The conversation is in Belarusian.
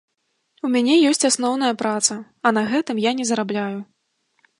У мяне ёсць асноўная праца, а на гэтым я не зарабляю.